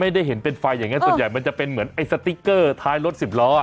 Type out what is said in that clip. ไม่ได้เห็นเป็นไฟอย่างนั้นส่วนใหญ่มันจะเป็นเหมือนไอ้สติ๊กเกอร์ท้ายรถสิบล้อ